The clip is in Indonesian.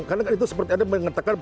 karena itu seperti anda mengatakan